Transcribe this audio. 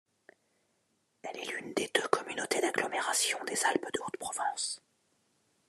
Elle est l'une des deux communauté d'agglomération des Alpes-de-Haute-Provence.